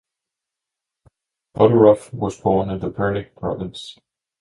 Todorov was born in Pernik Province.